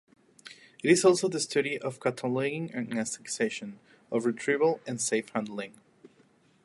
It is also the study of cataloguing and accession, of retrieval and safe handling.